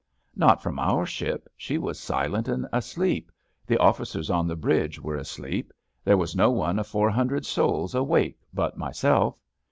Not from our ship: she was silent and asleep— the officers on the bridge were asleep; there was no one of four hundred souls awake but myself.